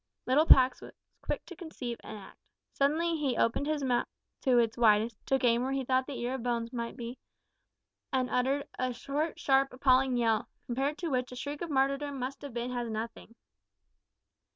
Little Pax was quick to conceive and act. Suddenly he opened his mouth to its widest, took aim where he thought the ear of Bones must be, and uttered a short, sharp, appalling yell, compared to which a shriek of martyrdom must have been as nothing.